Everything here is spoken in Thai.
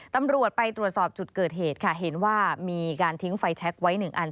ตำรวจไปตรวจสอบจุดเกิดเหตุค่ะเห็นว่ามีการทิ้งไฟแชคไว้หนึ่งอัน